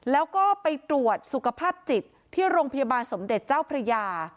แล้วก็ไปตรวจสุขภาพจิตที่โรงพยาบาลสมเด็จเจ้าพระยา